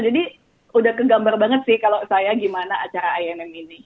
jadi udah kegambar banget sih kalau saya gimana acara a m ini